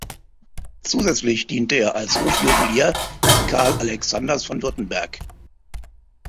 Zusätzlich diente er als Hofjuwelier Karl Alexanders von Württemberg.